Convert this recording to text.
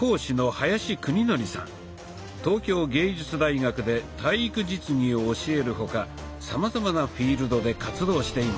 東京藝術大学で体育実技を教える他さまざまなフィールドで活動しています。